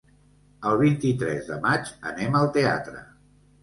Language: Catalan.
El vint-i-tres de maig anem al teatre.